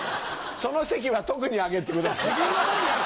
その席は特にあげてください。